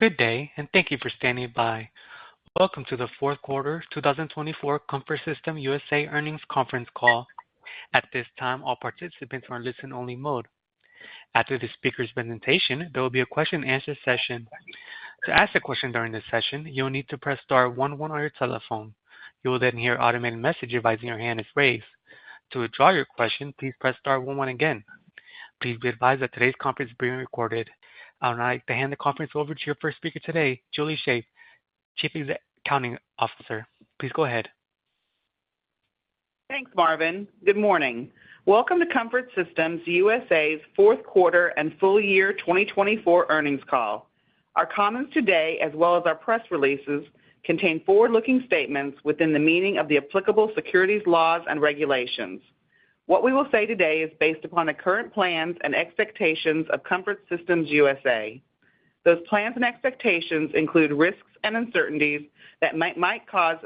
Good day, and thank you for standing by. Welcome to the fourth quarter 2024 Comfort Systems USA earnings conference call. At this time, all participants are in listen-only mode. After the speaker's presentation, there will be a question-and-answer session. To ask a question during this session, you'll need to press star one one on your telephone. You will then hear an automated message advising your hand is raised. To withdraw your question, please press star one one again. Please be advised that today's conference is being recorded. I would now like to hand the conference over to your first speaker today, Julie Shaeff, Chief Accounting Officer. Please go ahead. Thanks, Marvin. Good morning. Welcome to Comfort Systems USA's fourth quarter and full year 2024 earnings call. Our comments today, as well as our press releases, contain forward-looking statements within the meaning of the applicable securities laws and regulations. What we will say today is based upon the current plans and expectations of Comfort Systems USA. Those plans and expectations include risks and uncertainties that might cause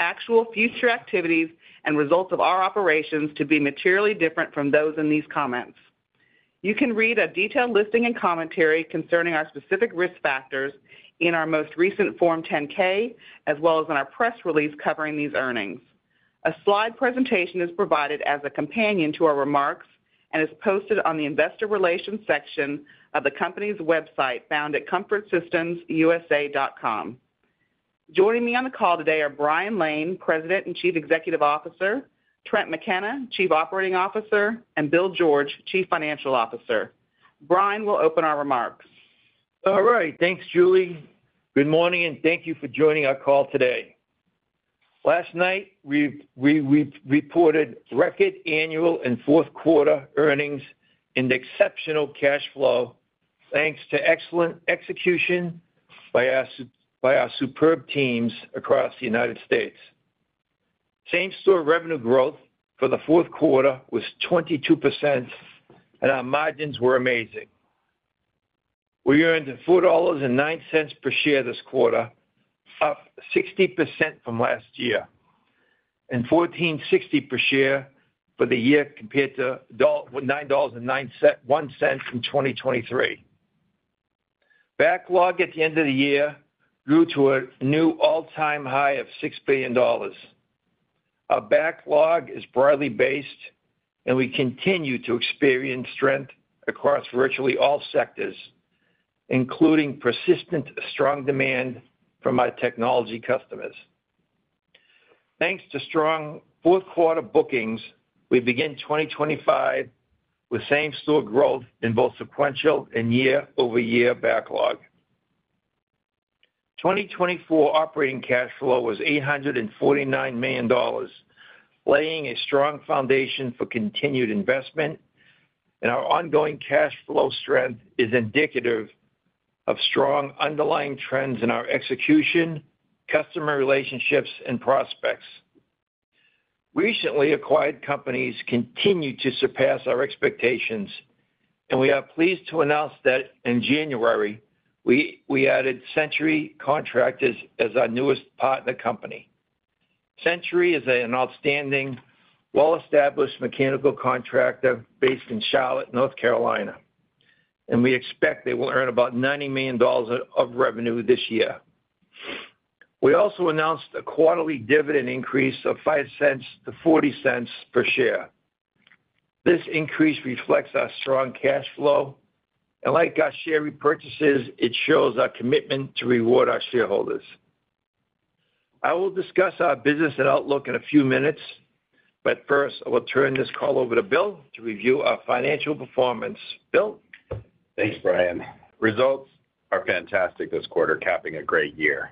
actual future activities and results of our operations to be materially different from those in these comments. You can read a detailed listing and commentary concerning our specific risk factors in our most recent Form 10-K, as well as in our press release covering these earnings. A slide presentation is provided as a companion to our remarks and is posted on the investor relations section of the company's website found at comfortsystemsusa.com. Joining me on the call today are Brian Lane, President and Chief Executive Officer, Trent McKenna, Chief Operating Officer, and Bill George, Chief Financial Officer. Brian will open our remarks. All right. Thanks, Julie. Good morning, and thank you for joining our call today. Last night, we reported record annual and fourth quarter earnings and exceptional cash flow thanks to excellent execution by our superb teams across the United States. Same-store revenue growth for the fourth quarter was 22%, and our margins were amazing. We earned $4.09 per share this quarter, up 60% from last year, and $14.60 per share for the year compared to $9.01 in 2023. Backlog at the end of the year grew to a new all-time high of $6 billion. Our backlog is broadly based, and we continue to experience strength across virtually all sectors, including persistent strong demand from our technology customers. Thanks to strong fourth quarter bookings, we begin 2025 with same-store growth in both sequential and year-over-year backlog. 2024 operating cash flow was $849 million, laying a strong foundation for continued investment, and our ongoing cash flow strength is indicative of strong underlying trends in our execution, customer relationships, and prospects. Recently acquired companies continue to surpass our expectations, and we are pleased to announce that in January, we added Century Contractors as our newest partner company. Century is an outstanding, well-established mechanical contractor based in Charlotte, North Carolina, and we expect they will earn about $90 million of revenue this year. We also announced a quarterly dividend increase of $0.05-$0.40 per share. This increase reflects our strong cash flow, and like our share repurchases, it shows our commitment to reward our shareholders. I will discuss our business and outlook in a few minutes, but first, I will turn this call over to Bill to review our financial performance. Bill. Thanks, Brian. Results are fantastic this quarter, capping a great year.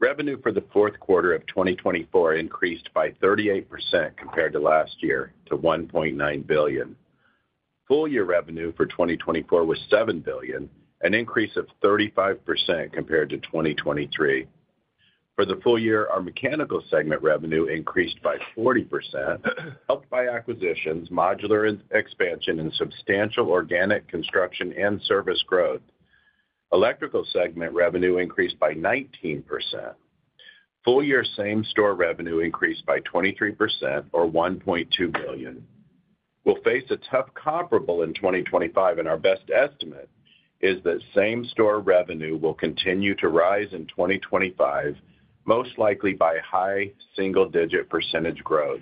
Revenue for the fourth quarter of 2024 increased by 38% compared to last year, to $1.9 billion. Full year revenue for 2024 was $7 billion, an increase of 35% compared to 2023. For the full year, our mechanical segment revenue increased by 40%, helped by acquisitions, modular expansion, and substantial organic construction and service growth. Electrical segment revenue increased by 19%. Full year same-store revenue increased by 23%, or $1.2 billion. We'll face a tough comparable in 2025, and our best estimate is that same-store revenue will continue to rise in 2025, most likely by high single-digit percentage growth.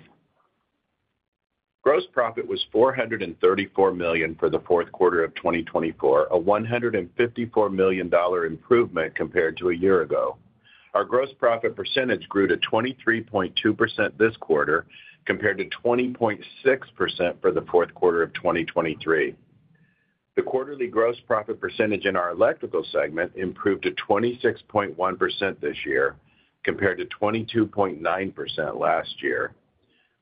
Gross profit was $434 million for the fourth quarter of 2024, a $154 million improvement compared to a year ago. Our gross profit percentage grew to 23.2% this quarter compared to 20.6% for the fourth quarter of 2023. The quarterly gross profit percentage in our electrical segment improved to 26.1% this year compared to 22.9% last year.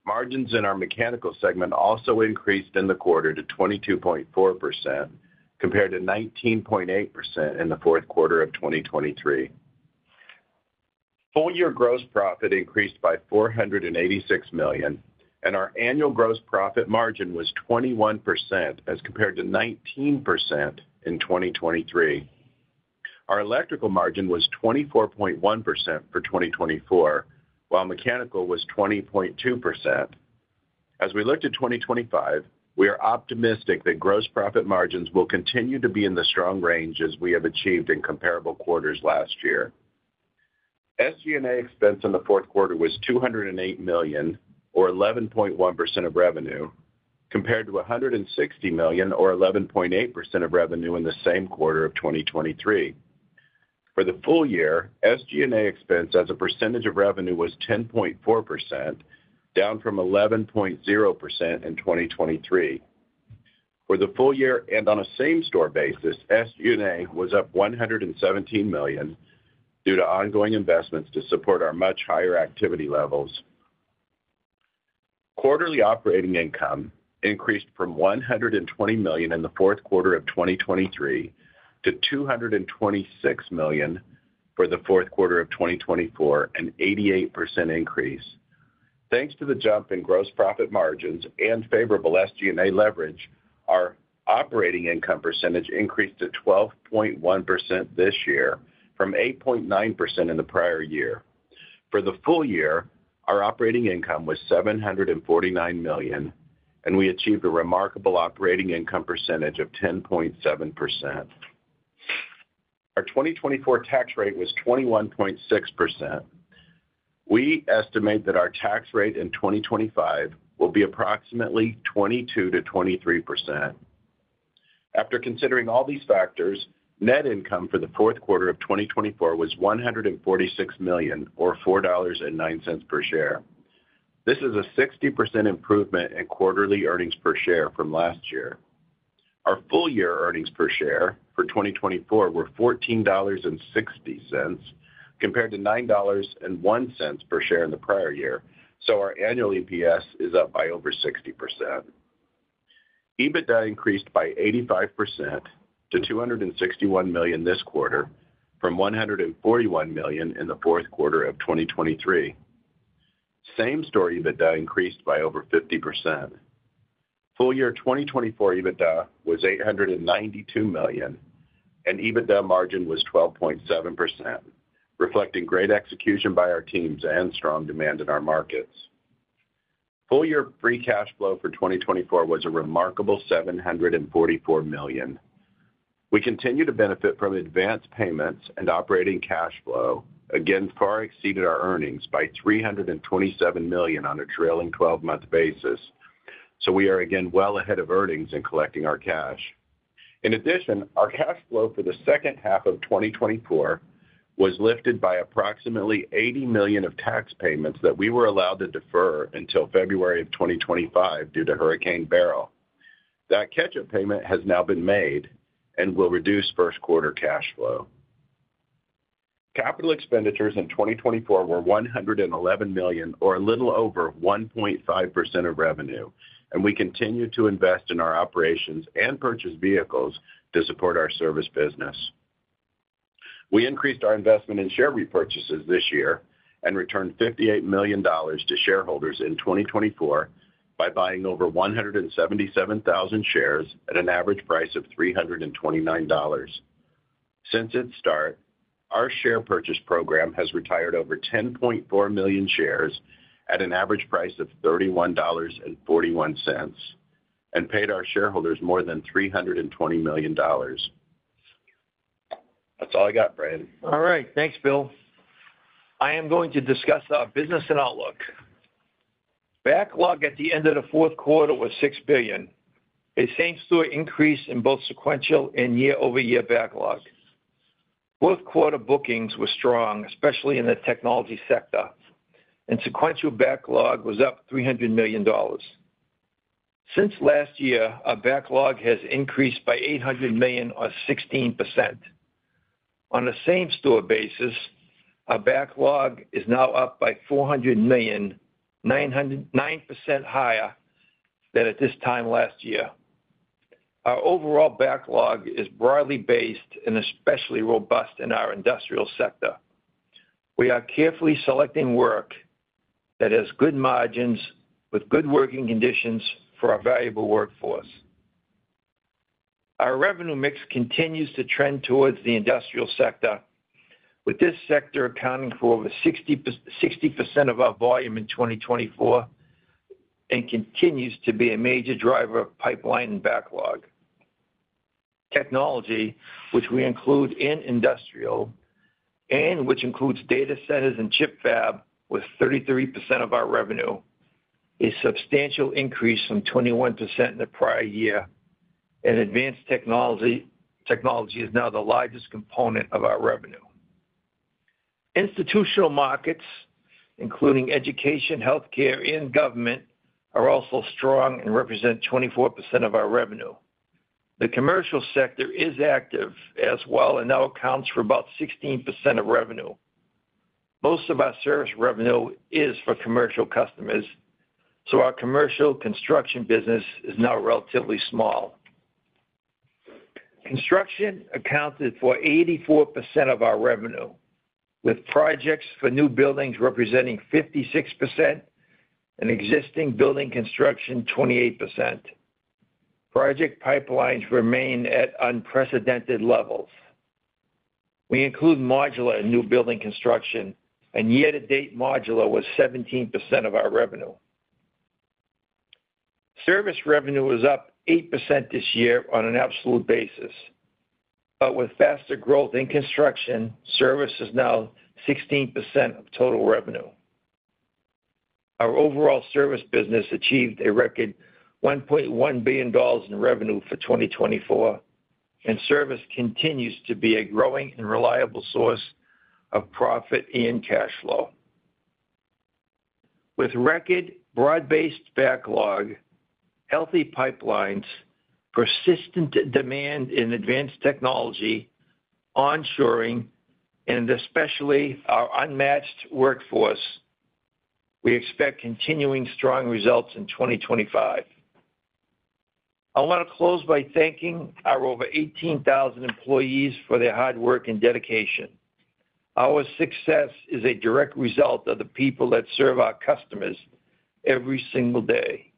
Margins in our mechanical segment also increased in the quarter to 22.4% compared to 19.8% in the fourth quarter of 2023. Full year gross profit increased by $486 million, and our annual gross profit margin was 21% as compared to 19% in 2023. Our electrical margin was 24.1% for 2024, while mechanical was 20.2%. As we look to 2025, we are optimistic that gross profit margins will continue to be in the strong range as we have achieved in comparable quarters last year. SG&A expense in the fourth quarter was $208 million, or 11.1% of revenue, compared to $160 million, or 11.8% of revenue in the same quarter of 2023. For the full year, SG&A expense as a percentage of revenue was 10.4%, down from 11.0% in 2023. For the full year and on a same-store basis, SG&A was up $117 million due to ongoing investments to support our much higher activity levels. Quarterly operating income increased from $120 million in the fourth quarter of 2023 to $226 million for the fourth quarter of 2024, an 88% increase. Thanks to the jump in gross profit margins and favorable SG&A leverage, our operating income percentage increased to 12.1% this year, from 8.9% in the prior year. For the full year, our operating income was $749 million, and we achieved a remarkable operating income percentage of 10.7%. Our 2024 tax rate was 21.6%. We estimate that our tax rate in 2025 will be approximately 22%-23%. After considering all these factors, net income for the fourth quarter of 2024 was $146 million, or $4.09 per share. This is a 60% improvement in quarterly earnings per share from last year. Our full year earnings per share for 2024 were $14.60 compared to $9.01 per share in the prior year, so our annual EPS is up by over 60%. EBITDA increased by 85% to $261 million this quarter, from $141 million in the fourth quarter of 2023. Same-store EBITDA increased by over 50%. Full year 2024 EBITDA was $892 million, and EBITDA margin was 12.7%, reflecting great execution by our teams and strong demand in our markets. Full year free cash flow for 2024 was a remarkable $744 million. We continue to benefit from advance payments and operating cash flow. Again, far exceeded our earnings by $327 million on a trailing 12-month basis, so we are again well ahead of earnings in collecting our cash. In addition, our cash flow for the second half of 2024 was lifted by approximately $80 million of tax payments that we were allowed to defer until February of 2025 due to Hurricane Beryl. That catch-up payment has now been made and will reduce first-quarter cash flow. Capital expenditures in 2024 were $111 million, or a little over 1.5% of revenue, and we continue to invest in our operations and purchase vehicles to support our service business. We increased our investment in share repurchases this year and returned $58 million to shareholders in 2024 by buying over 177,000 shares at an average price of $329. Since its start, our share purchase program has retired over 10.4 million shares at an average price of $31.41 and paid our shareholders more than $320 million. That's all I got, Brian. All right. Thanks, Bill. I am going to discuss our business and outlook. Backlog at the end of the fourth quarter was $6 billion. A same-store increase in both sequential and year-over-year backlog. Fourth-quarter bookings were strong, especially in the technology sector, and sequential backlog was up $300 million. Since last year, our backlog has increased by $800 million, or 16%. On a same-store basis, our backlog is now up by $400 million, 9% higher than at this time last year. Our overall backlog is broadly based and especially robust in our industrial sector. We are carefully selecting work that has good margins with good working conditions for our valuable workforce. Our revenue mix continues to trend towards the industrial sector, with this sector accounting for over 60% of our volume in 2024 and continues to be a major driver of pipeline and backlog. Technology, which we include in industrial and which includes data centers and chip fab, was 33% of our revenue, a substantial increase from 21% in the prior year, and advanced technology is now the largest component of our revenue. Institutional markets, including education, healthcare, and government, are also strong and represent 24% of our revenue. The commercial sector is active as well and now accounts for about 16% of revenue. Most of our service revenue is for commercial customers, so our commercial construction business is now relatively small. Construction accounted for 84% of our revenue, with projects for new buildings representing 56% and existing building construction 28%. Project pipelines remain at unprecedented levels. We include modular in new building construction, and year-to-date modular was 17% of our revenue. Service revenue was up 8% this year on an absolute basis, but with faster growth in construction, service is now 16% of total revenue. Our overall service business achieved a record $1.1 billion in revenue for 2024, and service continues to be a growing and reliable source of profit and cash flow. With record broad-based backlog, healthy pipelines, persistent demand in advanced technology, onshoring, and especially our unmatched workforce, we expect continuing strong results in 2025. I want to close by thanking our over 18,000 employees for their hard work and dedication. Our success is a direct result of the people that serve our customers every single day.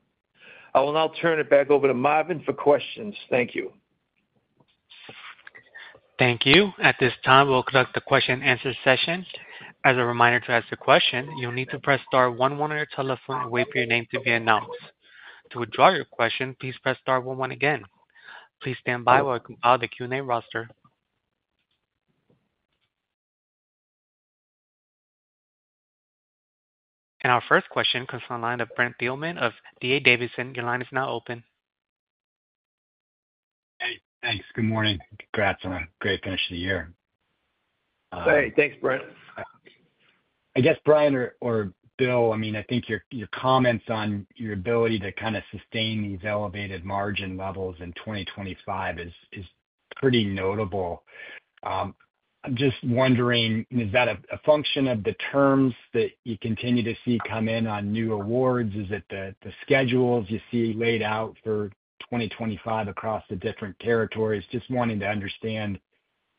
I will now turn it back over to Marvin for questions. Thank you. Thank you. At this time, we'll conduct the question-and-answer session. As a reminder to ask a question, you'll need to press star one one on your telephone and wait for your name to be announced. To withdraw your question, please press star one one again. Please stand by while I compile the Q&A roster. Our first question comes from the line of Brent Thielman of D.A. Davidson. Your line is now open. Hey, thanks. Good morning. Congrats on a great finish of the year. Hey, thanks, Brent. I guess, Brian or Bill, I mean, I think your comments on your ability to kind of sustain these elevated margin levels in 2025 is pretty notable. I'm just wondering, is that a function of the terms that you continue to see come in on new awards? Is it the schedules you see laid out for 2025 across the different territories? Just wanting to understand,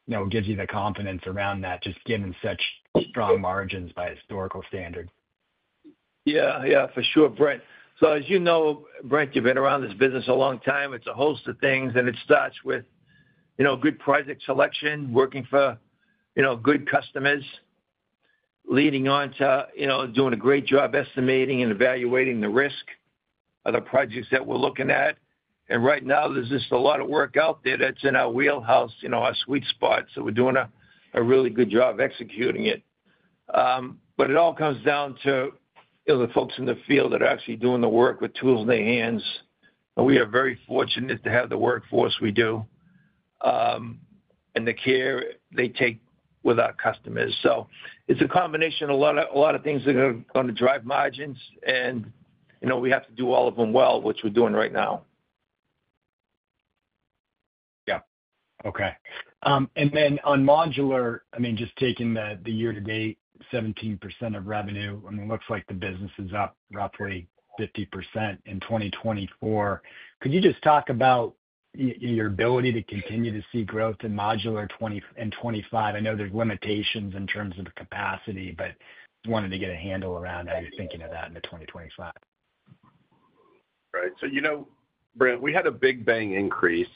it gives you the confidence around that, just given such strong margins by historical standards. Yeah, yeah, for sure, Brent. So as you know, Brent, you've been around this business a long time. It's a host of things, and it starts with good project selection, working for good customers, leading on to doing a great job estimating and evaluating the risk of the projects that we're looking at. And right now, there's just a lot of work out there that's in our wheelhouse, our sweet spot, so we're doing a really good job executing it. But it all comes down to the folks in the field that are actually doing the work with tools in their hands. We are very fortunate to have the workforce we do and the care they take with our customers. So it's a combination of a lot of things that are going to drive margins, and we have to do all of them well, which we're doing right now. Yeah. Okay. And then on modular, I mean, just taking the year-to-date 17% of revenue, I mean, it looks like the business is up roughly 50% in 2024. Could you just talk about your ability to continue to see growth in modular in 2025? I know there's limitations in terms of capacity, but wanted to get a handle around how you're thinking of that in 2025. Right. So you know, Brent, we had a big bang increase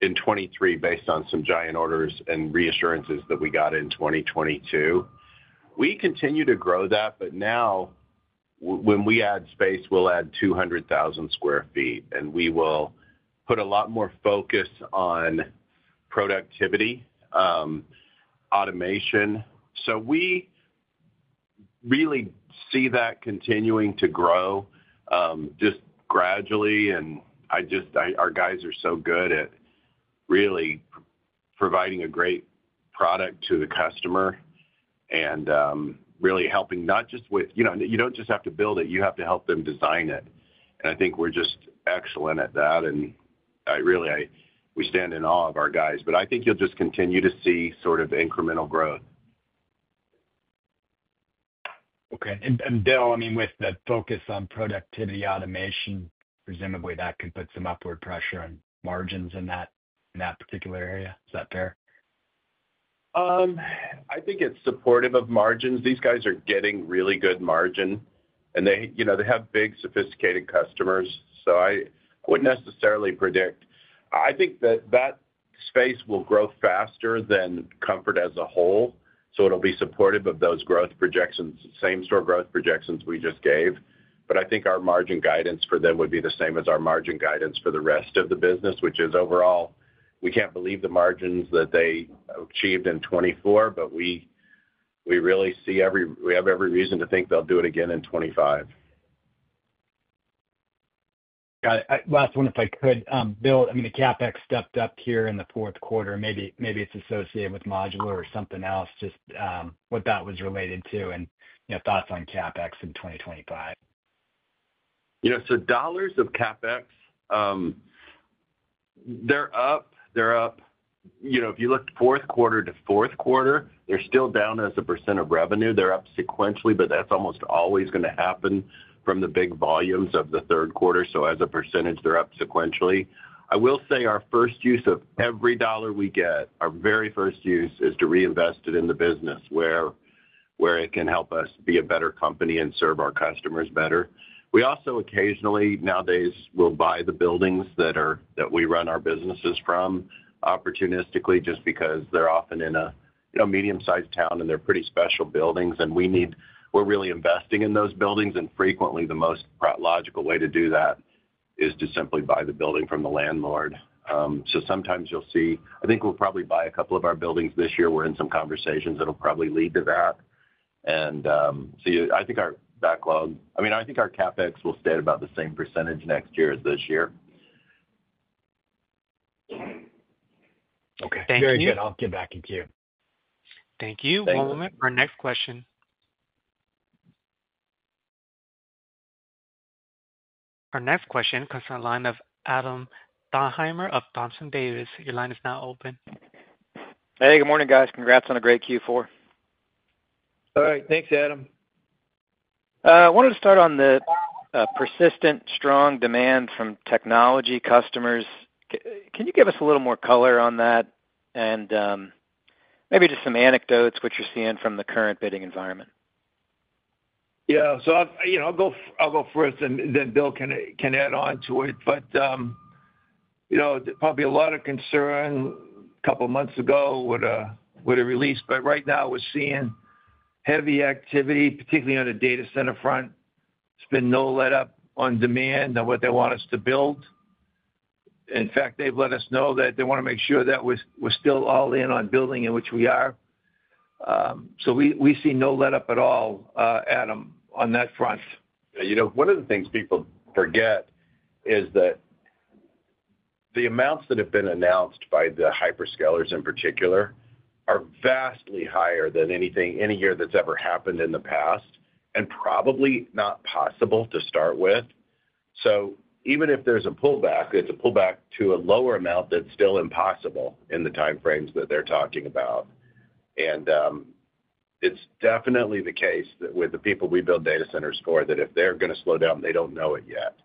in 2023 based on some giant orders and reassurances that we got in 2022. We continue to grow that, but now when we add space, we'll add 200,000 sq ft, and we will put a lot more focus on productivity, automation. So we really see that continuing to grow just gradually, and our guys are so good at really providing a great product to the customer and really helping not just with you don't just have to build it. You have to help them design it. And I think we're just excellent at that, and really, we stand in awe of our guys. But I think you'll just continue to see sort of incremental growth. Okay. And Bill, I mean, with the focus on productivity automation, presumably that could put some upward pressure on margins in that particular area. Is that fair? I think it's supportive of margins. These guys are getting really good margin, and they have big, sophisticated customers, so I wouldn't necessarily predict. I think that that space will grow faster than Comfort as a whole, so it'll be supportive of those growth projections, same-store growth projections we just gave. But I think our margin guidance for them would be the same as our margin guidance for the rest of the business, which is overall, we can't believe the margins that they achieved in 2024, but we really see we have every reason to think they'll do it again in 2025. Got it. Last one, if I could. Bill, I mean, the CapEx stepped up here in the fourth quarter. Maybe it's associated with modular or something else, just what that was related to and thoughts on CapEx in 2025? Yeah. So dollars of CapEx, they're up. They're up. If you look fourth quarter to fourth quarter, they're still down as a % of revenue. They're up sequentially, but that's almost always going to happen from the big volumes of the third quarter. So as a %, they're up sequentially. I will say our first use of every dollar we get, our very first use, is to reinvest it in the business where it can help us be a better company and serve our customers better. We also occasionally, nowadays, will buy the buildings that we run our businesses from opportunistically just because they're often in a medium-sized town and they're pretty special buildings, and we're really investing in those buildings. And frequently, the most logical way to do that is to simply buy the building from the landlord. So, sometimes you'll see, I think we'll probably buy a couple of our buildings this year. We're in some conversations that'll probably lead to that. And so I think our backlog, I mean, I think our CapEx will stay at about the same percentage next year as this year. Okay. Very good. I'll give back to you. Thank you. We'll move to our next question. Our next question comes from the line of Adam Thalhimer of Thomson Davis. Your line is now open. Hey, good morning, guys. Congrats on a great Q4. All right. Thanks, Adam. I wanted to start on the persistent, strong demand from technology customers. Can you give us a little more color on that and maybe just some anecdotes, what you're seeing from the current bidding environment? Yeah. So I'll go first, and then Bill can add on to it. But there'd probably be a lot of concern a couple of months ago with a release. But right now, we're seeing heavy activity, particularly on the data center front. There's been no let-up on demand on what they want us to build. In fact, they've let us know that they want to make sure that we're still all in on building in which we are. So we see no let-up at all, Adam, on that front. One of the things people forget is that the amounts that have been announced by the hyperscalers in particular are vastly higher than any year that's ever happened in the past and probably not possible to start with. So even if there's a pullback, it's a pullback to a lower amount that's still impossible in the timeframes that they're talking about. And it's definitely the case with the people we build data centers for that if they're going to slow down, they don't know it yet.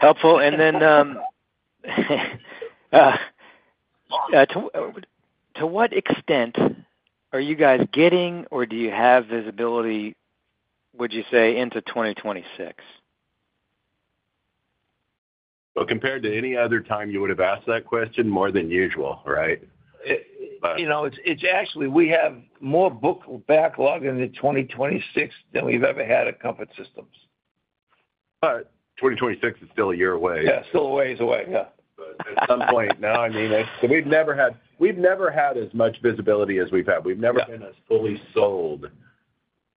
Helpful. And then to what extent are you guys getting or do you have visibility, would you say, into 2026? Compared to any other time, you would have asked that question more than usual, right? It's actually, we have more backlog in 2026 than we've ever had at Comfort Systems. 2026 is still a year away. Yeah, still a ways away, yeah. At some point now, I mean, we've never had as much visibility as we've had. We've never been as fully sold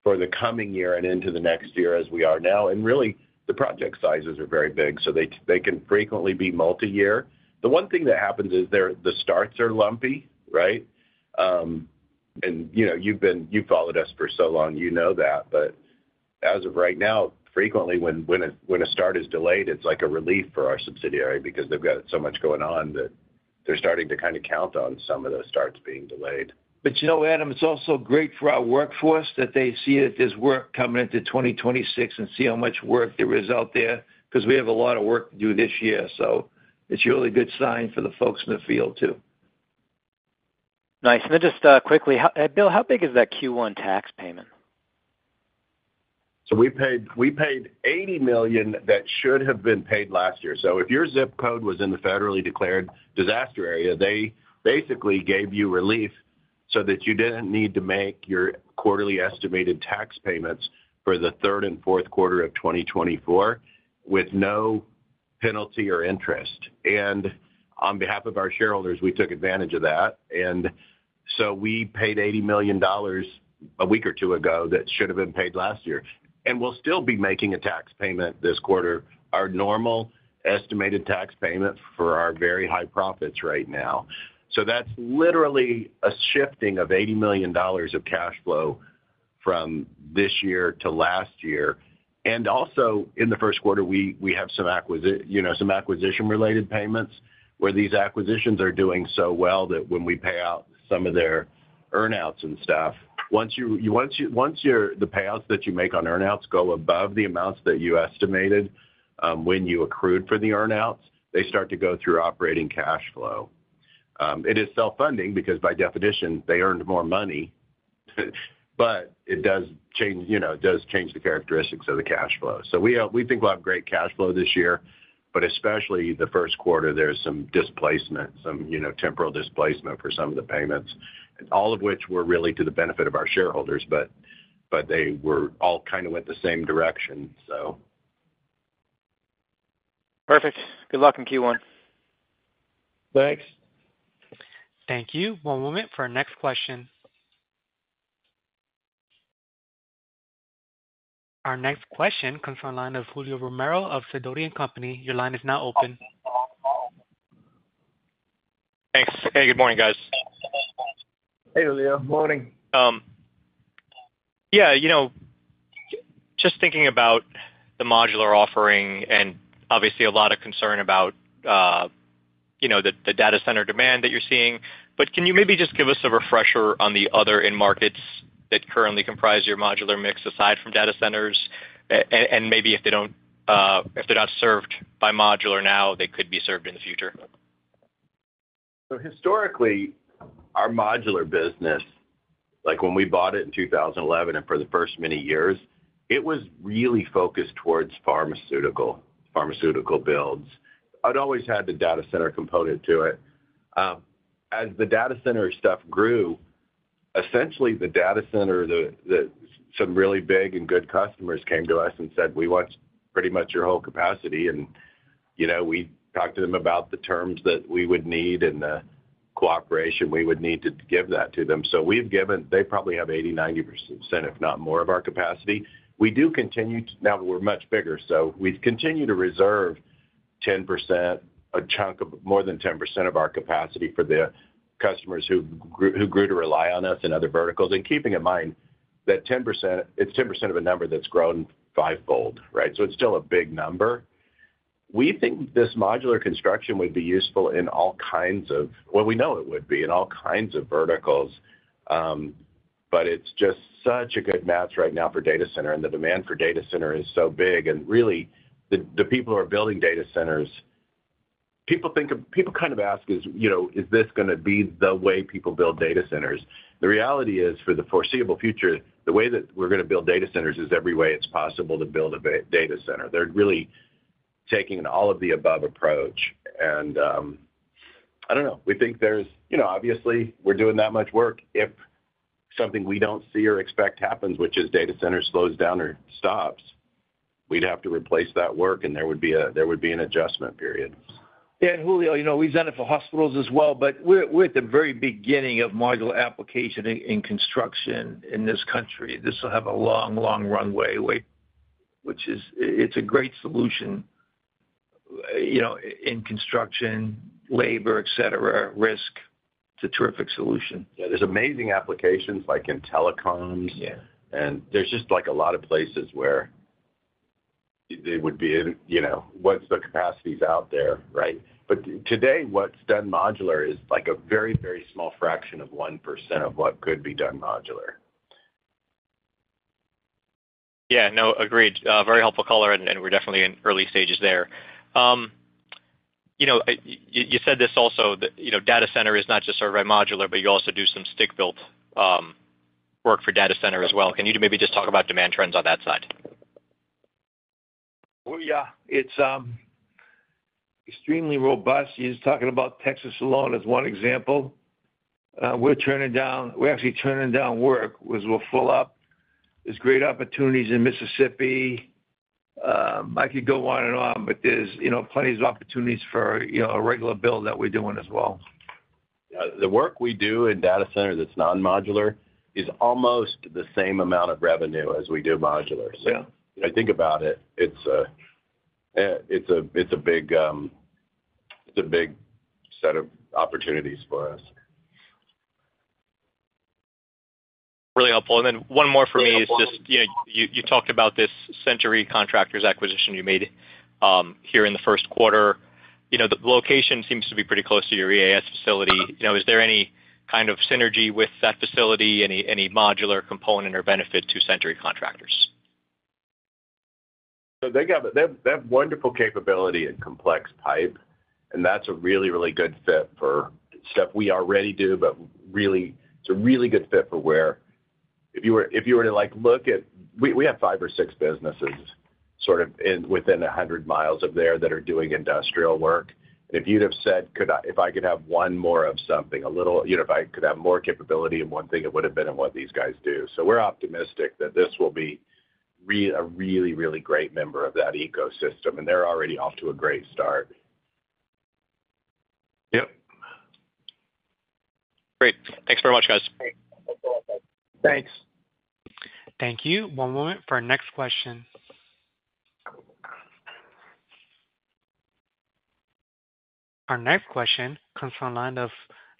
for the coming year and into the next year as we are now, and really, the project sizes are very big, so they can frequently be multi-year. The one thing that happens is the starts are lumpy, right, and you've followed us for so long, you know that, but as of right now, frequently when a start is delayed, it's like a relief for our subsidiary because they've got so much going on that they're starting to kind of count on some of those starts being delayed. But you know, Adam, it's also great for our workforce that they see that there's work coming into 2026 and see how much work there is out there because we have a lot of work to do this year. So it's really a good sign for the folks in the field too. Nice. And then just quickly, Bill, how big is that Q1 tax payment? So we paid $80 million that should have been paid last year. So if your zip code was in the federally declared disaster area, they basically gave you relief so that you didn't need to make your quarterly estimated tax payments for the third and fourth quarter of 2024 with no penalty or interest. And on behalf of our shareholders, we took advantage of that. And so we paid $80 million a week or two ago that should have been paid last year. And we'll still be making a tax payment this quarter, our normal estimated tax payment for our very high profits right now. So that's literally a shifting of $80 million of cash flow from this year to last year. And also in the first quarter, we have some acquisition-related payments where these acquisitions are doing so well that when we pay out some of their earnouts and stuff, once the payouts that you make on earnouts go above the amounts that you estimated when you accrued for the earnouts, they start to go through operating cash flow. It is self-funding because by definition, they earned more money, but it does change the characteristics of the cash flow. So we think we'll have great cash flow this year, but especially the first quarter, there's some displacement, some temporal displacement for some of the payments, all of which were really to the benefit of our shareholders, but they were all kind of went the same direction, so. Perfect. Good luck in Q1. Thanks. Thank you. One moment for our next question. Our next question comes from the line of Julio Romero of Sidoti & Company. Your line is now open. Hey. Hey, good morning, guys. Hey, Julio. Morning. Yeah. Just thinking about the modular offering and obviously a lot of concern about the data center demand that you're seeing, but can you maybe just give us a refresher on the other end markets that currently comprise your modular mix aside from data centers? And maybe if they're not served by modular now, they could be served in the future. Historically, our modular business, like when we bought it in 2011 and for the first many years, it was really focused towards pharmaceutical builds. It always had the data center component to it. As the data center stuff grew, essentially the data center, some really big and good customers came to us and said, "We want pretty much your whole capacity." And we talked to them about the terms that we would need and the cooperation we would need to give that to them. So they probably have 80%-90%, if not more, of our capacity. We do continue to now we're much bigger, so we continue to reserve 10%, a chunk of more than 10% of our capacity for the customers who grew to rely on us in other verticals. And keeping in mind that 10%, it's 10% of a number that's grown fivefold, right? So it's still a big number. We think this modular construction would be useful in all kinds of, well, we know it would be in all kinds of verticals, but it's just such a good match right now for data center, and the demand for data center is so big. And really, the people who are building data centers, people kind of ask, "Is this going to be the way people build data centers?" The reality is, for the foreseeable future, the way that we're going to build data centers is every way it's possible to build a data center. They're really taking an all-of-the-above approach. And I don't know. We think there's obviously, we're doing that much work. If something we don't see or expect happens, which is data centers slows down or stops, we'd have to replace that work, and there would be an adjustment period. Yeah. Julio, we've done it for hospitals as well, but we're at the very beginning of modular application in construction in this country. This will have a long, long runway, which is it's a great solution in construction, labor, etc., risk. It's a terrific solution. Yeah. There's amazing applications like in telecoms, and there's just a lot of places where they would be once the capacity's out there, right? But today, what's done modular is a very, very small fraction of 1% of what could be done modular. Yeah. No, agreed. Very helpful caller, and we're definitely in early stages there. You said this also, data center is not just served by modular, but you also do some stick-built work for data center as well. Can you maybe just talk about demand trends on that side? Yeah. It's extremely robust. You're talking about Texas alone as one example. We're actually turning down work because we'll fill up. There's great opportunities in Mississippi. I could go on and on, but there's plenty of opportunities for a regular build that we're doing as well. The work we do in data centers that's non-modular is almost the same amount of revenue as we do modular. So if you think about it, it's a big set of opportunities for us. Really helpful. Then one more for me is just you talked about this Century Contractors acquisition you made here in the first quarter. The location seems to be pretty close to your EAS facility. Is there any kind of synergy with that facility, any modular component or benefit to Century Contractors? So they have wonderful capability and complex piping, and that's a really, really good fit for stuff we already do, but really, it's a really good fit for where if you were to look at we have five or six businesses sort of within 100 miles of there that are doing industrial work. And if you'd have said, "If I could have one more of something, a little if I could have more capability in one thing, it would have been in what these guys do." So we're optimistic that this will be a really, really great member of that ecosystem, and they're already off to a great start. Yep. Great. Thanks very much, guys. Thanks. Thank you. One moment for our next question. Our next question comes from the line of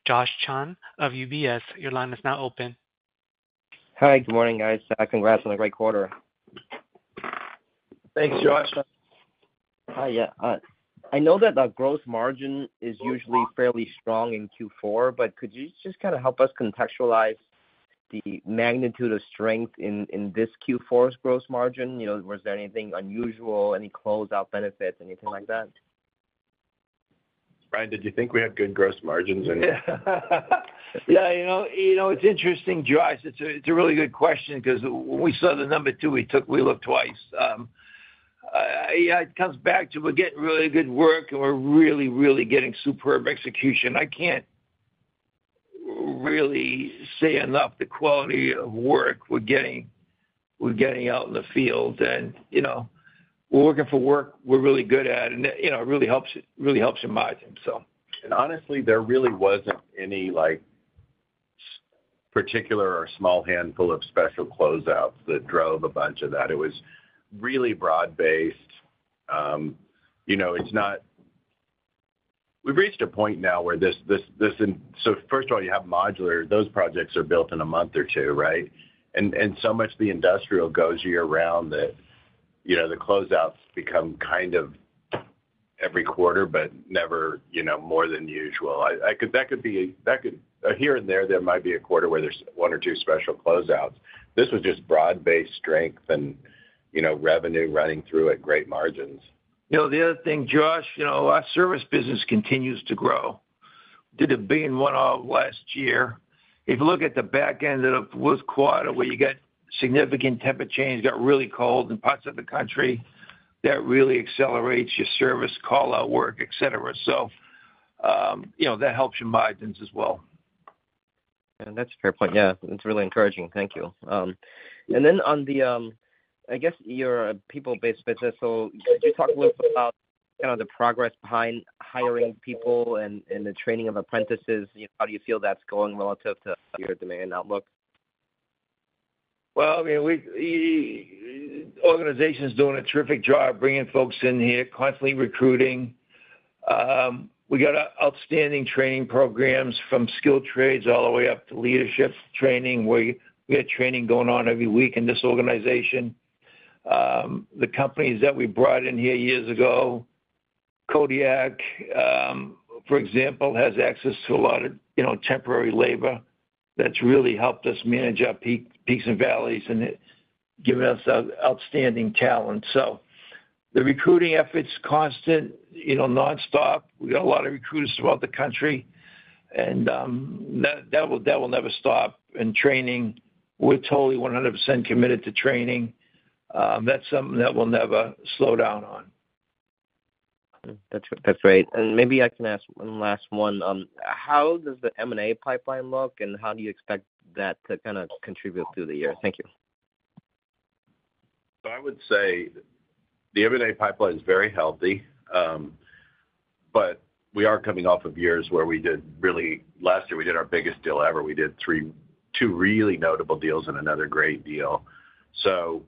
Josh Chan of UBS. Your line is now open. Hi. Good morning, guys. Congrats on a great quarter. Thanks, Josh. Hi. Yeah. I know that the gross margin is usually fairly strong in Q4, but could you just kind of help us contextualize the magnitude of strength in this Q4's gross margin? Was there anything unusual, any closeout benefits, anything like that? Brian, did you think we had good gross margins? Yeah. It's interesting, Josh. It's a really good question because when we saw the number two, we looked twice. Yeah. It comes back to we're getting really good work, and we're really, really getting superb execution. I can't really say enough the quality of work we're getting out in the field. And we're working for work we're really good at, and it really helps your margin, so. And honestly, there really wasn't any particular or small handful of special closeouts that drove a bunch of that. It was really broad-based. We've reached a point now where, first of all, you have modular. Those projects are built in a month or two, right? And so much of the industrial goes year-round that the closeouts become kind of every quarter, but never more than usual. That could be here and there. There might be a quarter where there's one or two special closeouts. This was just broad-based strength and revenue running through at great margins. The other thing, Josh, our service business continues to grow. Did a billion one all last year. If you look at the back end of the fourth quarter, where you got significant temperature change, got really cold in parts of the country, that really accelerates your service callout work, etc. So that helps your margins as well. Yeah. That's a fair point. Yeah. That's really encouraging. Thank you. And then on the, I guess, your people-based business, so could you talk a little bit about kind of the progress behind hiring people and the training of apprentices? How do you feel that's going relative to your demand outlook? I mean, the organization's doing a terrific job bringing folks in here, constantly recruiting. We got outstanding training programs from skilled trades all the way up to leadership training. We have training going on every week in this organization. The companies that we brought in here years ago, Kodiak, for example, has access to a lot of temporary labor that's really helped us manage our peaks and valleys and given us outstanding talent. So the recruiting effort's constant, nonstop. We got a lot of recruiters throughout the country, and that will never stop. Training, we're totally 100% committed to training. That's something that will never slow down on. That's great. And maybe I can ask one last one. How does the M&A pipeline look, and how do you expect that to kind of contribute through the year? Thank you. So, I would say the M&A pipeline is very healthy, but we are coming off of years where we did really last year, we did our biggest deal ever. We did two really notable deals and another great deal. So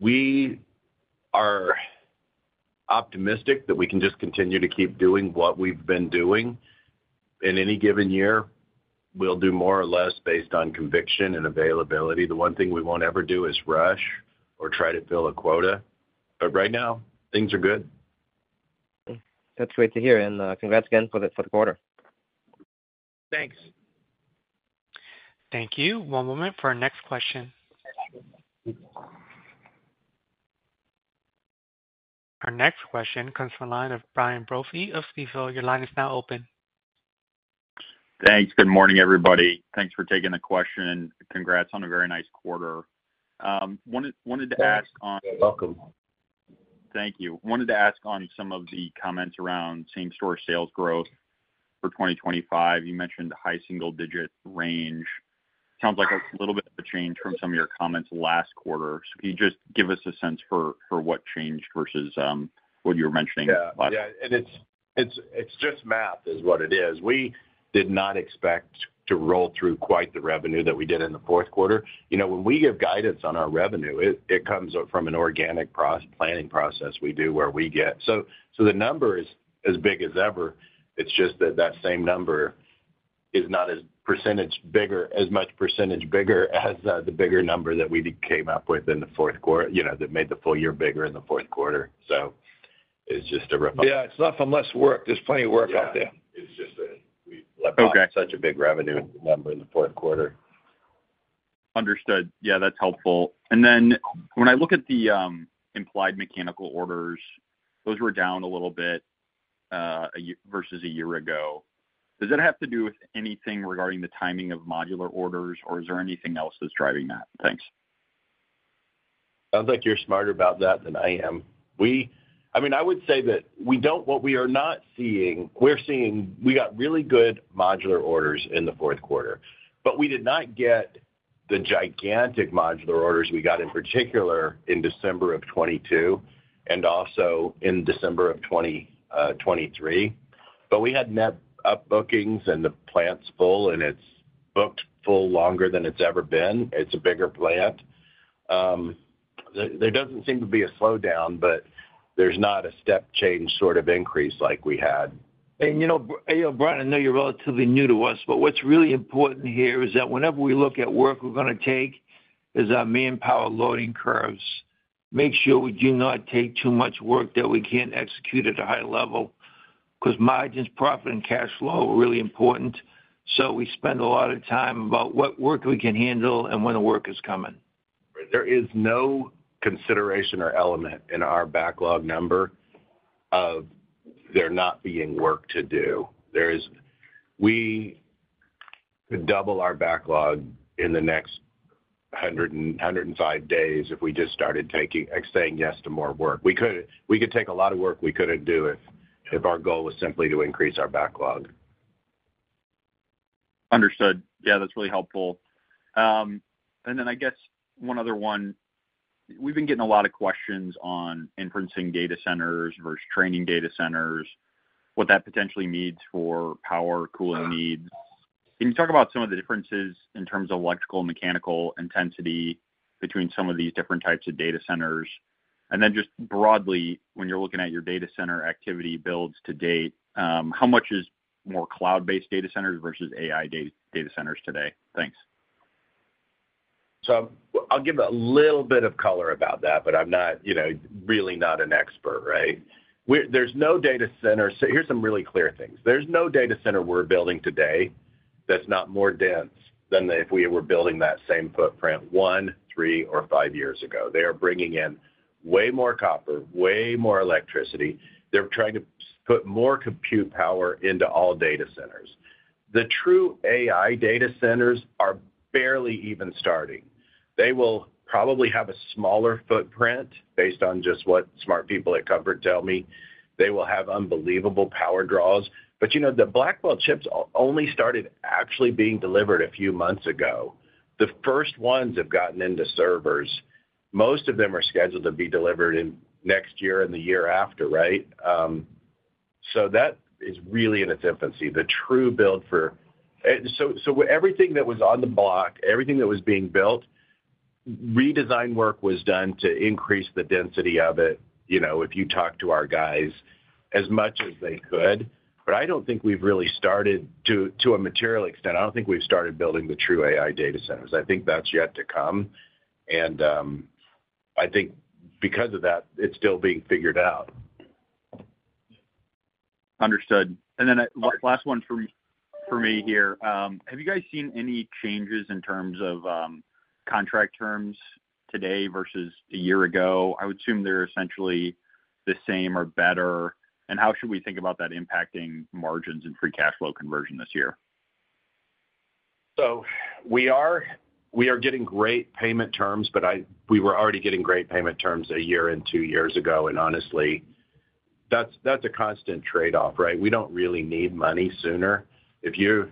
we are optimistic that we can just continue to keep doing what we've been doing. In any given year, we'll do more or less based on conviction and availability. The one thing we won't ever do is rush or try to fill a quota. But right now, things are good. That's great to hear, and congrats again for the quarter. Thanks. Thank you. One moment for our next question. Our next question comes from the line of Brian Brophy of Stifel. Your line is now open. Thanks. Good morning, everybody. Thanks for taking the question. Congrats on a very nice quarter. Wanted to ask on. Welcome. Thank you. Wanted to ask on some of the comments around same-store sales growth for 2025. You mentioned a high single-digit range. Sounds like a little bit of a change from some of your comments last quarter. So can you just give us a sense for what changed versus what you were mentioning last time? Yeah. Yeah. It is just math is what it is. We did not expect to roll through quite the revenue that we did in the fourth quarter. When we give guidance on our revenue, it comes from an organic planning process we do where we get so the number is as big as ever. It is just that that same number is not as percentage bigger, as much percentage bigger as the bigger number that we came up with in the fourth quarter, that made the full year bigger in the fourth quarter. It's just a. Yeah. It's not from less work. There's plenty of work out there. Yeah. It's just that we left off such a big revenue number in the fourth quarter. Understood. Yeah. That's helpful, and then when I look at the implied mechanical orders, those were down a little bit versus a year ago. Does that have to do with anything regarding the timing of modular orders, or is there anything else that's driving that? Thanks. Sounds like you're smarter about that than I am. I mean, I would say that what we are not seeing, we got really good modular orders in the fourth quarter, but we did not get the gigantic modular orders we got in particular in December of 2022 and also in December of 2023. But we had net up bookings and the plant's full, and it's booked full longer than it's ever been. It's a bigger plant. There doesn't seem to be a slowdown, but there's not a step change sort of increase like we had. Brian, I know you're relatively new to us, but what's really important here is that whenever we look at work we're going to take is our manpower loading curves. Make sure we do not take too much work that we can't execute at a high level because margins, profit, and cash flow are really important. We spend a lot of time about what work we can handle and when the work is coming. There is no consideration or element in our backlog number of there not being work to do. We could double our backlog in the next 105 days if we just started saying yes to more work. We could take a lot of work we couldn't do if our goal was simply to increase our backlog. Understood. Yeah. That's really helpful. And then I guess one other one. We've been getting a lot of questions on inferencing data centers versus training data centers, what that potentially means for power cooling needs. Can you talk about some of the differences in terms of electrical and mechanical intensity between some of these different types of data centers? And then just broadly, when you're looking at your data center activity builds to date, how much is more cloud-based data centers versus AI data centers today? Thanks. So I'll give a little bit of color about that, but I'm really not an expert, right? There's no data center, so here's some really clear things. There's no data center we're building today that's not more dense than if we were building that same footprint one, three, or five years ago. They are bringing in way more copper, way more electricity. They're trying to put more compute power into all data centers. The true AI data centers are barely even starting. They will probably have a smaller footprint based on just what smart people at Comfort tell me. They will have unbelievable power draws. But the Blackwell chips only started actually being delivered a few months ago. The first ones have gotten into servers. Most of them are scheduled to be delivered next year and the year after, right? So that is really in its infancy. The true build, so everything that was on the block, everything that was being built, redesign work was done to increase the density of it if you talk to our guys as much as they could, but I don't think we've really started to a material extent. I don't think we've started building the true AI data centers. I think that's yet to come, and I think because of that, it's still being figured out. Understood, and then last one for me here. Have you guys seen any changes in terms of contract terms today versus a year ago? I would assume they're essentially the same or better, and how should we think about that impacting margins and free cash flow conversion this year? So we are getting great payment terms, but we were already getting great payment terms a year and two years ago. And honestly, that's a constant trade-off, right? We don't really need money sooner. If you're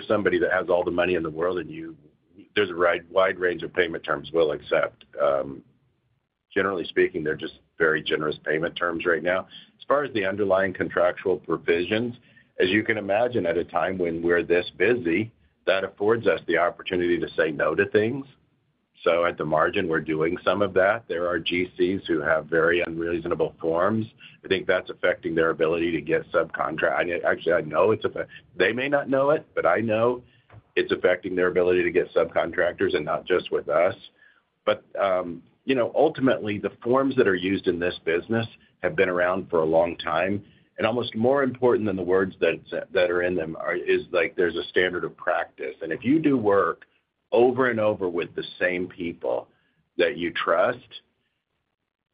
somebody that has all the money in the world and there's a wide range of payment terms we'll accept. Generally speaking, they're just very generous payment terms right now. As far as the underlying contractual provisions, as you can imagine, at a time when we're this busy, that affords us the opportunity to say no to things. So at the margin, we're doing some of that. There are GCs who have very unreasonable forms. I think that's affecting their ability to get subcontractors. Actually, I know they may not know it, but I know it's affecting their ability to get subcontractors and not just with us. But ultimately, the forms that are used in this business have been around for a long time. And almost more important than the words that are in them is there's a standard of practice. And if you do work over and over with the same people that you trust,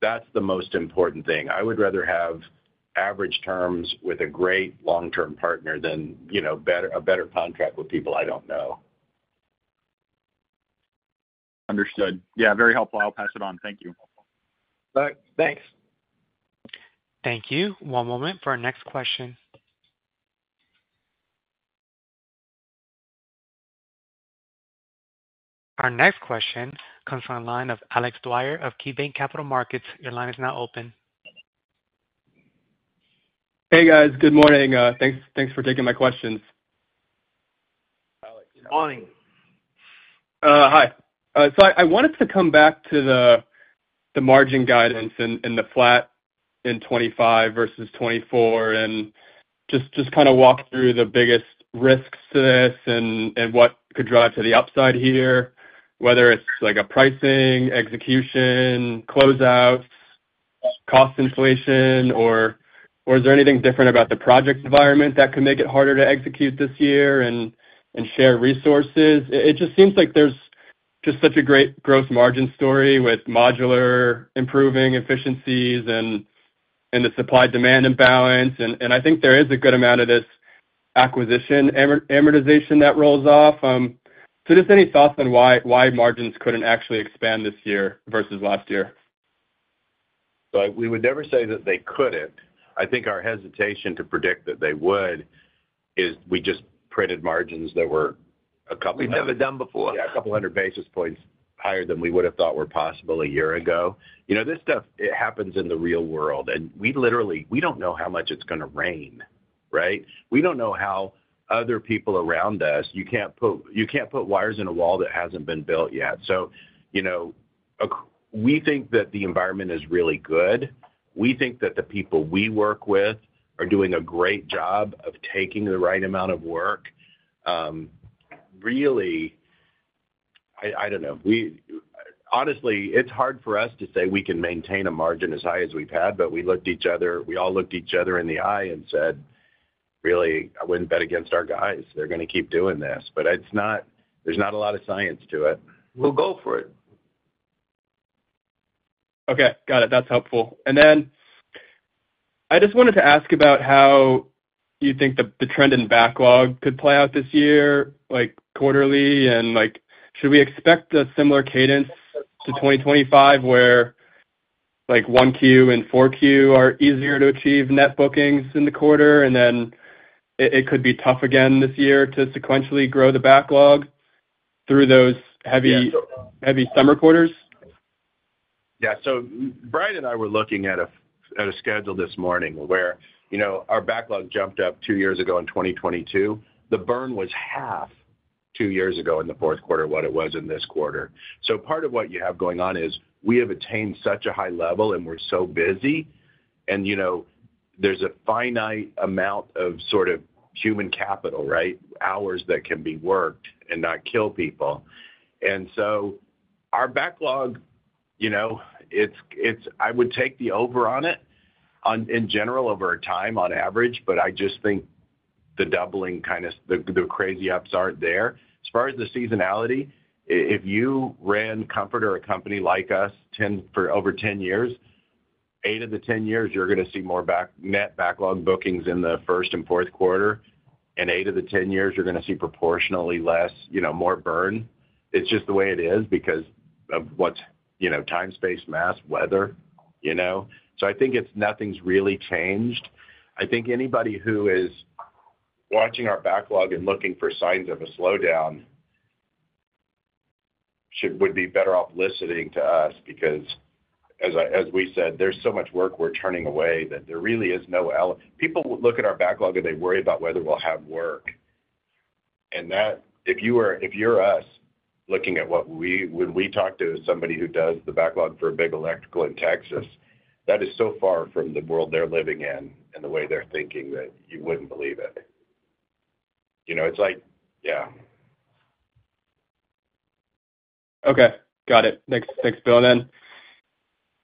that's the most important thing. I would rather have average terms with a great long-term partner than a better contract with people I don't know. Understood. Yeah. Very helpful. I'll pass it on. Thank you. Thanks. Thank you. One moment for our next question. Our next question comes from the line of Alex Dwyer of KeyBank Capital Markets. Your line is now open. Hey, guys. Good morning. Thanks for taking my questions. Good morning. Hi, so I wanted to come back to the margin guidance and the flat in 2025 versus 2024 and just kind of walk through the biggest risks to this and what could drive to the upside here, whether it's a pricing, execution, closeouts, cost inflation, or is there anything different about the project environment that could make it harder to execute this year and share resources? It just seems like there's just such a great gross margin story with modular improving efficiencies and the supply-demand imbalance, and I think there is a good amount of this acquisition amortization that rolls off, so just any thoughts on why margins couldn't actually expand this year versus last year? So we would never say that they couldn't. I think our hesitation to predict that they would is we just printed margins that were a couple hundred. We've never done before. Yeah. A couple hundred basis points higher than we would have thought were possible a year ago. This stuff, it happens in the real world, and we don't know how much it's going to rain, right? We don't know how other people around us you can't put wires in a wall that hasn't been built yet, so we think that the environment is really good. We think that the people we work with are doing a great job of taking the right amount of work. Really, I don't know. Honestly, it's hard for us to say we can maintain a margin as high as we've had, but we all looked each other in the eye and said, "Really, I wouldn't bet against our guys. They're going to keep doing this," but there's not a lot of science to it. We'll go for it. Okay. Got it. That's helpful, and then I just wanted to ask about how you think the trend in backlog could play out this year, quarterly, and should we expect a similar cadence to 2025 where 1Q and 4Q are easier to achieve net bookings in the quarter, and then it could be tough again this year to sequentially grow the backlog through those heavy summer quarters? Yeah. So Brian and I were looking at a schedule this morning where our backlog jumped up two years ago in 2022. The burn was half two years ago in the fourth quarter what it was in this quarter. So part of what you have going on is we have attained such a high level, and we're so busy. And there's a finite amount of sort of human capital, right, hours that can be worked and not kill people. And so our backlog, I would take the over on it in general over time on average, but I just think the doubling kind of the crazy ups aren't there. As far as the seasonality, if you ran Comfort or a company like us over 10 years, 8 of the 10 years, you're going to see more net backlog bookings in the first and fourth quarter. Eight of the 10 years, you're going to see proportionally less, more burn. It's just the way it is because of what's time space, mass, weather. So I think nothing's really changed. I think anybody who is watching our backlog and looking for signs of a slowdown would be better off listening to us because, as we said, there's so much work we're turning away that there really is no people look at our backlog, and they worry about whether we'll have work. And if you're us looking at what we when we talk to somebody who does the backlog for a big electrical in Texas, that is so far from the world they're living in and the way they're thinking that you wouldn't believe it. It's like. Yeah. Okay. Got it. Thanks, Bill, then.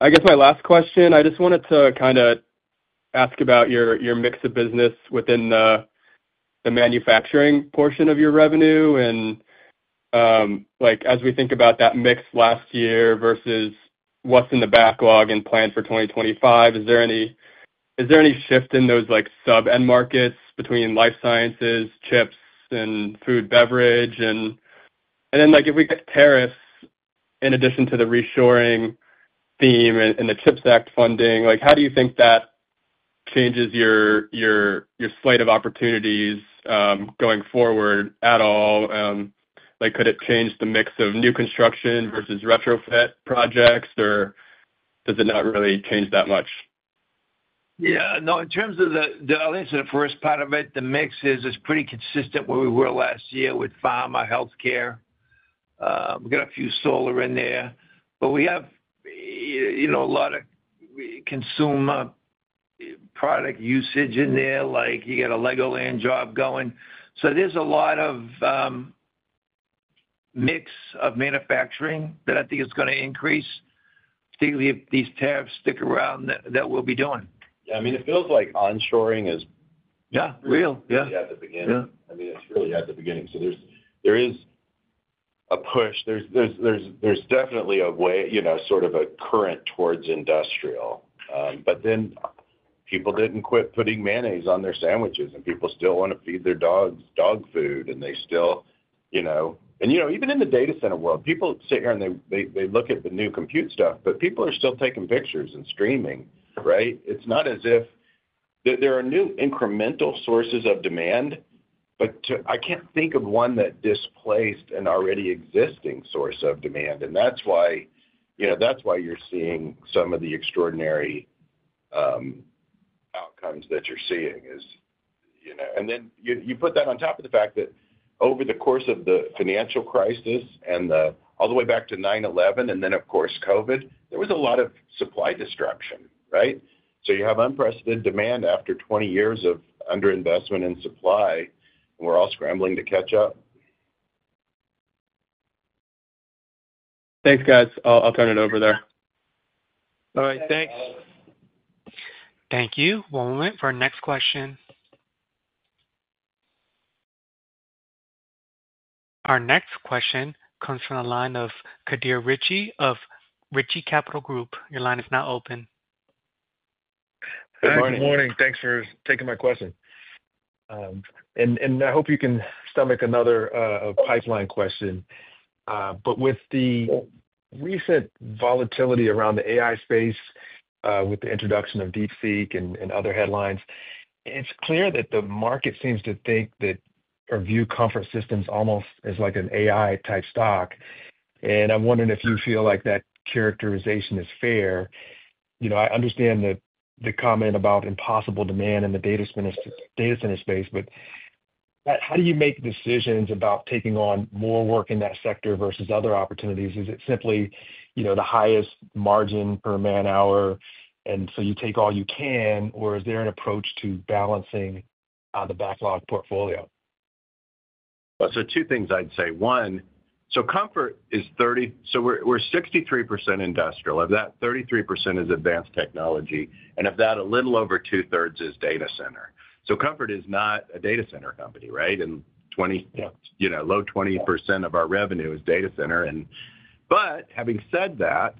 I guess my last question, I just wanted to kind of ask about your mix of business within the manufacturing portion of your revenue. And as we think about that mix last year versus what's in the backlog and plan for 2025, is there any shift in those sub-end markets between life sciences, chips, and food, beverage? And then if we get tariffs in addition to the reshoring theme and the CHIPS Act funding, how do you think that changes your slate of opportunities going forward at all? Could it change the mix of new construction versus retrofit projects, or does it not really change that much? Yeah. No, in terms of the, I'll answer the first part of it. The mix is it's pretty consistent where we were last year with pharma, healthcare. We got a few solar in there. But we have a lot of consumer product usage in there. You got a LEGOLAND job going. So there's a lot of mix of manufacturing that I think is going to increase, particularly if these tariffs stick around that we'll be doing. Yeah. I mean, it feels like onshoring is. Yeah. Real. Yeah. Yeah, at the beginning, I mean. It's really at the beginning so there is a push. There's definitely a wave sort of a current towards industrial but then people didn't quit putting mayonnaise on their sandwiches, and people still want to feed their dogs dog food and they still even in the data center world, people sit here and they look at the new compute stuff, but people are still taking pictures and streaming, right? It's not as if there are new incremental sources of demand, but I can't think of one that displaced an already existing source of demand and that's why you're seeing some of the extraordinary outcomes that you're seeing is. And then you put that on top of the fact that over the course of the financial crisis and all the way back to 9/11 and then, of course, COVID, there was a lot of supply disruption, right? So you have unprecedented demand after 20 years of underinvestment in supply, and we're all scrambling to catch up. Thanks, guys. I'll turn it over there. All right. Thanks. Thank you. One moment for our next question. Our next question comes from the line of Kyler Richie of Richie Capital Group. Your line is now open. Good morning. Thanks for taking my question. And I hope you can stomach another pipeline question. But with the recent volatility around the AI space with the introduction of DeepSeek and other headlines, it's clear that the market seems to think that or view Comfort Systems almost as an AI-type stock. And I'm wondering if you feel like that characterization is fair. I understand the comment about impossible demand in the data center space, but how do you make decisions about taking on more work in that sector versus other opportunities? Is it simply the highest margin per man-hour, and so you take all you can, or is there an approach to balancing the backlog portfolio? Two things I'd say. One, Comfort is 30%, so we're 63% industrial. Of that, 33% is advanced technology. And of that, a little over two-thirds is data center. Comfort is not a data center company, right? Low 20% of our revenue is data center. But having said that,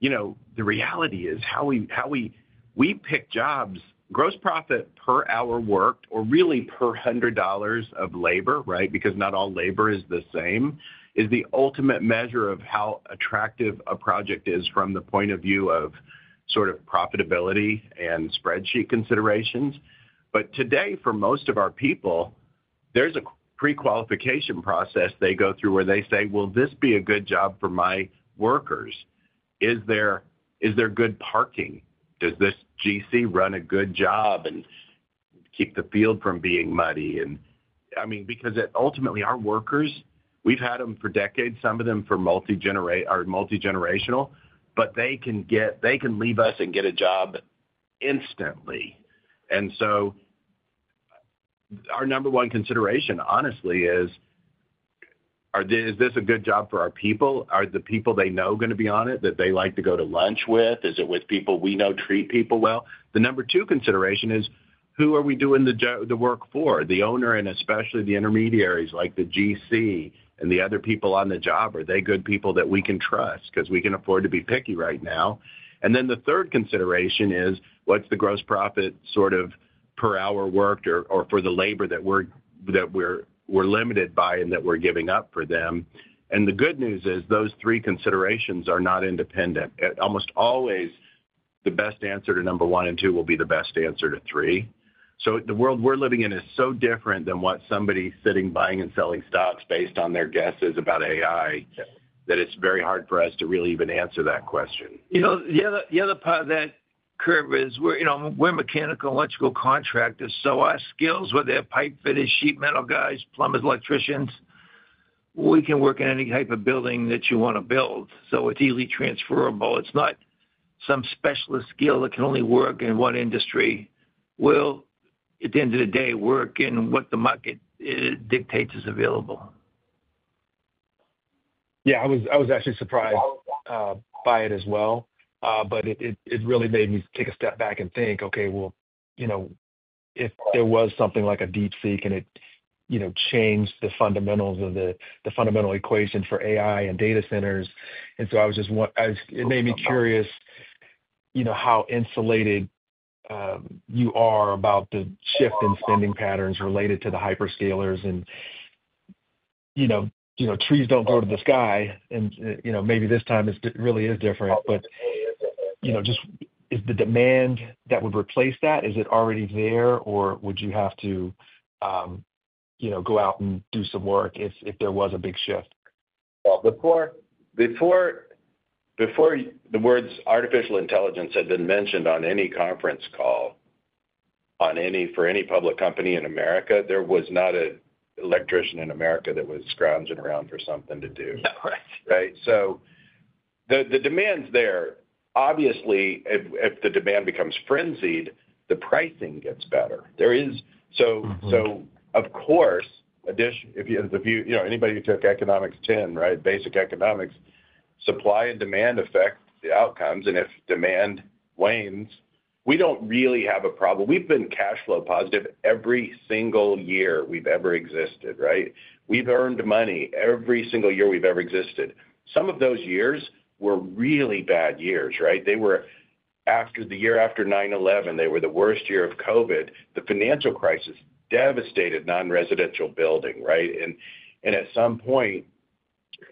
the reality is how we pick jobs, gross profit per hour worked, or really per $100 of labor, right, because not all labor is the same, is the ultimate measure of how attractive a project is from the point of view of sort of profitability and spreadsheet considerations. Today, for most of our people, there's a pre-qualification process they go through where they say, "Will this be a good job for my workers? Is there good parking? Does this GC run a good job and keep the field from being muddy?" And I mean, because ultimately, our workers, we've had them for decades, some of them for multi-generational, but they can leave us and get a job instantly. And so our number one consideration, honestly, is, "Is this a good job for our people? Are the people they know going to be on it that they like to go to lunch with? Is it with people we know treat people well?" The number two consideration is, "Who are we doing the work for? The owner and especially the intermediaries like the GC and the other people on the job, are they good people that we can trust because we can afford to be picky right now? And then the third consideration is, "What's the gross profit sort of per hour worked or for the labor that we're limited by and that we're giving up for them?" And the good news is those three considerations are not independent. Almost always, the best answer to number one and two will be the best answer to three. So the world we're living in is so different than what somebody sitting buying and selling stocks based on their guesses about AI that it's very hard for us to really even answer that question. Yeah. The other part of that, Kadir, is we're mechanical, electrical contractors. So our skills, whether they're pipefitter, sheet metal guys, plumbers, electricians, we can work in any type of building that you want to build. So it's easily transferable. It's not some specialist skill that can only work in one industry. We'll, at the end of the day, work in what the market dictates is available. Yeah, I was actually surprised by it as well, but it really made me take a step back and think, "Okay, well, if there was something like a DeepSeek and it changed the fundamentals of the fundamental equation for AI and data centers," and so it made me curious how insulated you are about the shift in spending patterns related to the hyperscalers. Trees don't go to the sky, and maybe this time it really is different, but just, is the demand that would replace that? Is it already there, or would you have to go out and do some work if there was a big shift? Before the words artificial intelligence had been mentioned on any conference call for any public company in America, there was not an electrician in America that was scrounging around for something to do, right? So the demand's there. Obviously, if the demand becomes frenzied, the pricing gets better. So of course, if anybody who took Economics 101, right, basic economics, supply and demand affect the outcomes. And if demand wanes, we don't really have a problem. We've been cash flow positive every single year we've ever existed, right? We've earned money every single year we've ever existed. Some of those years were really bad years, right? After the year after 9/11, they were the worst year of COVID. The financial crisis devastated non-residential building, right? And at some point,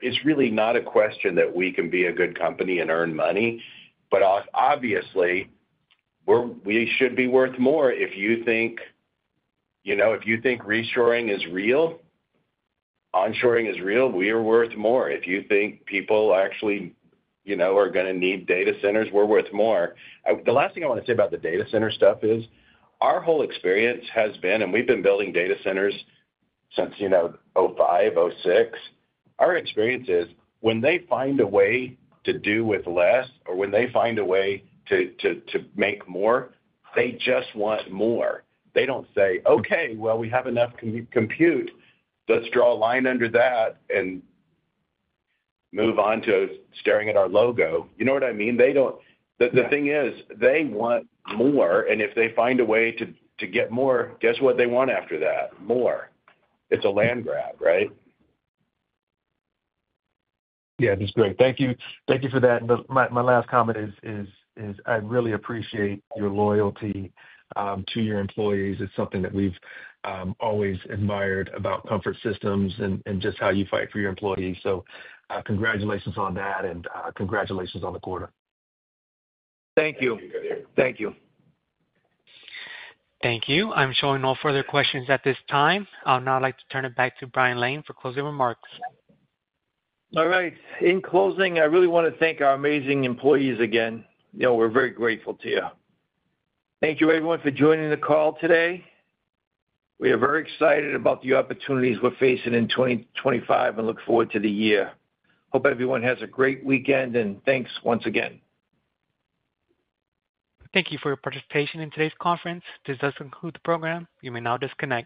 it's really not a question that we can be a good company and earn money. But obviously, we should be worth more if you think reshoring is real, onshoring is real, we are worth more. If you think people actually are going to need data centers, we're worth more. The last thing I want to say about the data center stuff is our whole experience has been and we've been building data centers since 2005, 2006. Our experience is when they find a way to do with less or when they find a way to make more, they just want more. They don't say, "Okay, well, we have enough compute. Let's draw a line under that and move on to staring at our logo." You know what I mean? The thing is they want more. And if they find a way to get more, guess what they want after that? More. It's a land grab, right? Yeah. That's great. Thank you for that. My last comment is I really appreciate your loyalty to your employees. It's something that we've always admired about Comfort Systems and just how you fight for your employees. So congratulations on that, and congratulations on the quarter. Thank you. Thank you, Kadir. Thank you. Thank you. I'm showing no further questions at this time. I'll now like to turn it back to Brian Lane for closing remarks. All right. In closing, I really want to thank our amazing employees again. We're very grateful to you. Thank you, everyone, for joining the call today. We are very excited about the opportunities we're facing in 2025 and look forward to the year. Hope everyone has a great weekend, and thanks once again. Thank you for your participation in today's conference. This does conclude the program. You may now disconnect.